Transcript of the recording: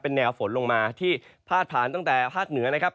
แนวฝนลงมาที่พาดผ่านตั้งแต่ภาคเหนือนะครับ